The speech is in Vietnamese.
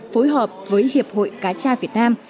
phối hợp với hiệp hội cacha việt nam